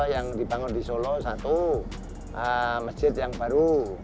yang dibangun di solo satu masjid yang baru